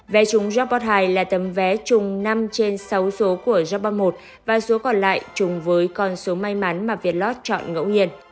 vé trúng jackpot hai là tấm vé trùng năm trên sáu số của jackpot một và số còn lại trùng với con số may mắn mà việt lot chọn ngẫu hiền